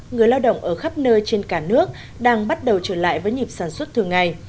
người lao động ở khắp nơi trên cả nước đang bắt đầu trở lại với nhịp sản xuất thường ngày